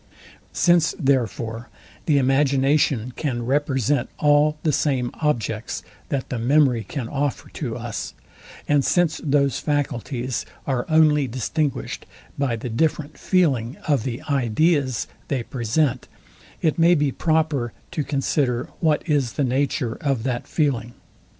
Since, therefore, the imagination can represent all the same objects that the memory can offer to us, and since those faculties are only distinguished by the different feeling of the ideas they present, it may be proper to consider what is the nature of that feeling.